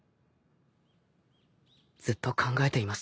ずっと考えていました。